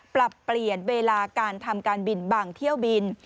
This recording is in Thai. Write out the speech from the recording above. ปรับเปลี่ยนเวลาการทำการบินบางเที่ยวบิน